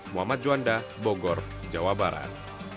muhammad juanda bogor jawa barat